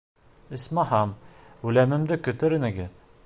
Исмаһам, үлемемде көтөр инегеҙ.